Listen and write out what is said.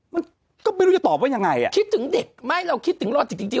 มันก็ไม่รู้จะตอบว่ายังไงอ่ะคิดถึงเด็กไม่เราคิดถึงรอจิตจริง